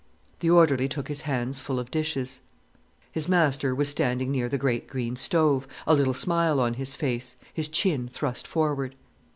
The orderly took his hands full of dishes. His master was standing near the great green stove, a little smile on his face, his chin thrust forward.